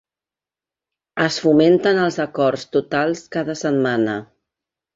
Es fomenten els acords totals cada setmana.